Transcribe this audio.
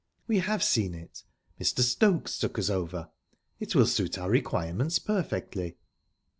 "We have seen it. Mr. Stokes took us over. It will suit our requirements perfectly."